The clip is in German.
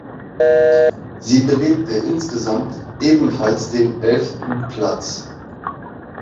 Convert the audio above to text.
Sie belegte insgesamt ebenfalls den elften Platz.